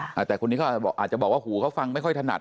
แต่จะบอกว่าคุณนี้คือชุมหูเค้าไม่ค่อยถนัด